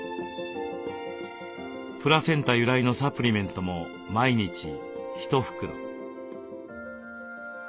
プラセンタ由来のサプリメントも毎日１袋。